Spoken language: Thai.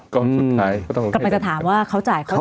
กลับมาจะถามว่าเขาจ่าย